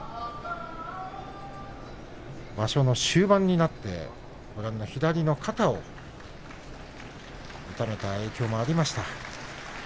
場所の終盤になって左の肩を痛めた影響もありました。